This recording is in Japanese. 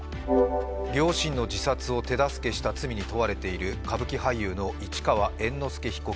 両親の自殺を手助けした罪に問われている歌舞伎俳優の市川猿之助被告。